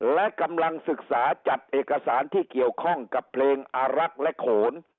และกำลังศึกษาจัดเอกสารที่เกี่ยวข้องกับเพลงอารักษ์และโขน